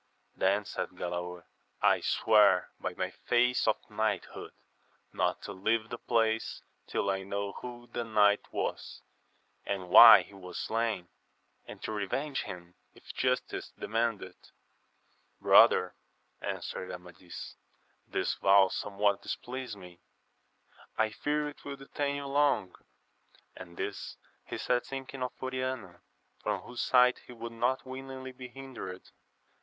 Then said Galaor, I swear by my faith of knighthood not to leave the place till I know who the knight was, and why he was slain, and to revenge him if justice demand it. Brother, answered Amadis, this vow liomewhat displeasetXi "xne *. 1 i^^^ *^^*^ $>L^\axs3L ^^xi. AMADIS OF GAUL U7 long. And this he said thinking of Oriana, from whose sight he would not willingly be hindered.